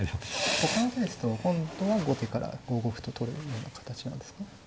ほかの手ですと本譜は後手から５五歩と取れるような形なんですか。